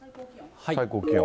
最高気温。